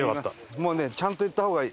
もうねちゃんと言った方がいい。